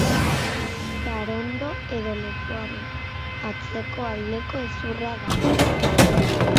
Garondo edo lepoaren atzeko aldeko hezurra da.